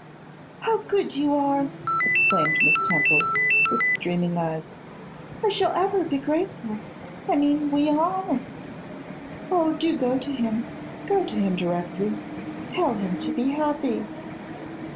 'How good you are!' exclaimed Miss Temple, with streaming eyes. 'I shall ever be grateful; I mean, we all must. Oh! do go to him, go to him directly; tell him to be happy.